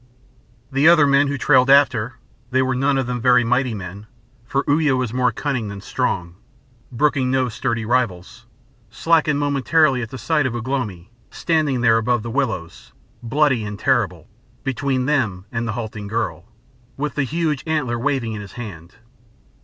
The other men who trailed after they were none of them very mighty men (for Uya was more cunning than strong, brooking no sturdy rivals) slackened momentarily at the sight of Ugh lomi standing there above the willows, bloody and terrible, between them and the halting girl, with the huge antler waving in his hand.